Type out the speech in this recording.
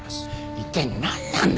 一体なんなんだ？